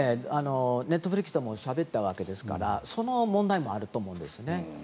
ネットフリックスでもしゃべったわけですからその問題もあると思うんです。